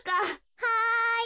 はい。